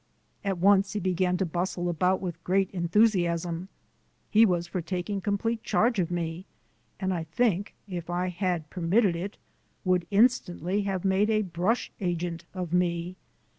At once he began to bustle about with great enthusiasm. He was for taking complete charge of me, and I think, if I had permitted it, would instantly have made a brush agent of me.